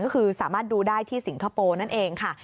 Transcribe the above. ก็คือสามารถดูได้ที่สิงคโปร์นั่นเองค่ะ